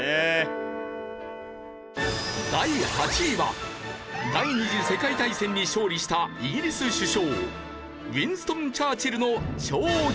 第８位は第二次世界大戦に勝利したイギリス首相ウィンストン・チャーチルの超貴重映像。